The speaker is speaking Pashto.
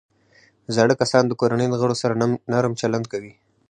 زاړه کسان د کورنۍ د غړو سره نرم چلند کوي